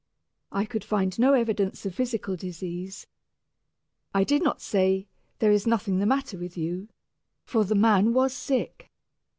I could find no evidence of physical disease. I did not say, "There is nothing the matter with you"; for the man was sick.